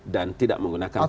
dan tidak menggunakan fasilitas